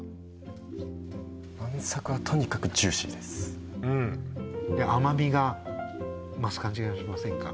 鰻咲はとにかくジューシーですで甘みが増す感じがしませんか？